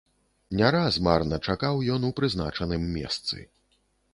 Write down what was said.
Не раз марна чакаў ён у прызначаным месцы.